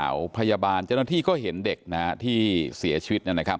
หรือลูกสาวพยาบาลเจ้าหน้าที่ก็เห็นเด็กที่เสียชีวิต